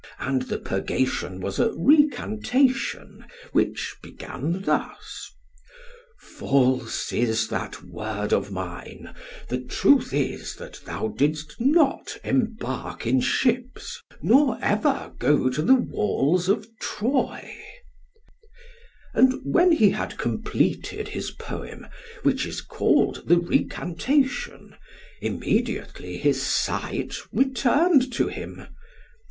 And the purgation was a recantation, which began thus, 'False is that word of mine the truth is that thou didst not embark in ships, nor ever go to the walls of Troy;' and when he had completed his poem, which is called 'the recantation,' immediately his sight returned to him.